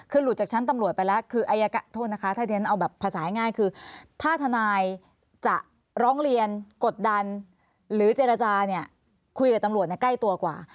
คือหลุดจากชั้นตำรวจไปแล้วคืออายการโทษนะคะถ้าที่ฉันเอาแบบภาษาง่ายคือถ้าทนายจะร้องเรียนกดดันหรือเจรจาเนี่ยคุยกับตำรวจใกล้ตัวกว่า